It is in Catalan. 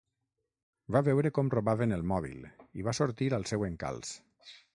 Va veure com robaven el mòbil i va sortir al seu encalç